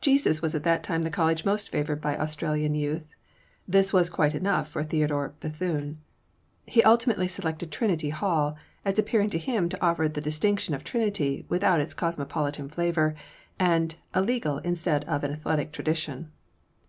Jesus was at that time the College most favoured by Australasian youth: this was quite enough for Theodore Bethune. He ultimately selected Trinity Hall, as appearing to him to offer the distinction of Trinity without its cosmopolitan flavour, and a legal instead of an athletic tradition.